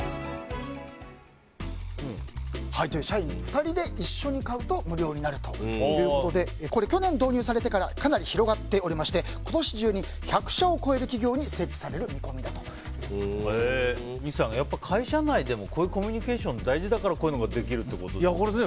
社員２人で一緒に買うと無料になるということで去年導入されてからかなり広がっておりまして今年中に１００社を超える企業に設置される三木さん、会社内でもコミュニケーションが大事だから、こういうのができるってことですよね。